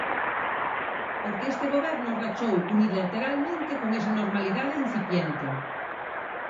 Porque este goberno rachou unilateralmente con esa normalidade incipiente.